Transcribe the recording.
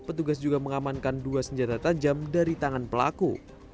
petugas juga mengamankan dua senjata tajam dari tangan pelaku